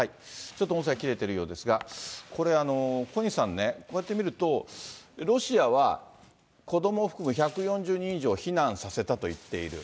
ちょっと音声切れているようですが、これ、小西さんね、こうやって見ると、ロシアは子どもを含む１４０人以上を避難させたと言っている。